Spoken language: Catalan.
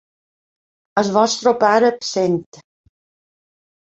El vostre pare absent.